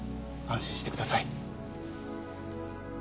安心してください。